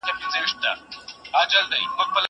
کېدای سي سندري ټيټه وي!